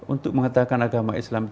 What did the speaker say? untuk mengatakan agama islam